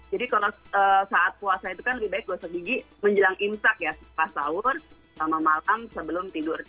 jadi kalau saat puasa itu kan lebih baik gosok gigi menjelang imsak ya pas sahur sama malam sebelum tidur